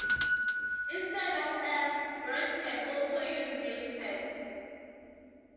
Instead of ants, birds can also use millipedes.